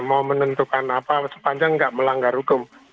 mau menentukan apa sepanjang nggak melanggar hukum